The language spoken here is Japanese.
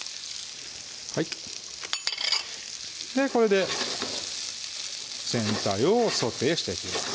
これで全体をソテーしていきます